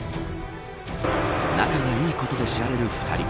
仲がいいことで知られる２人。